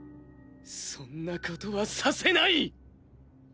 そんなことはさせない！